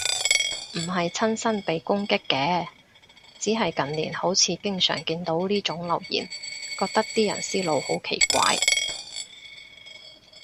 唔係親身被攻擊嘅，只係近年好似經常見到呢種留言，覺得啲人思路好奇怪